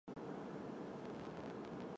他成为一个步大力雄的中场球员。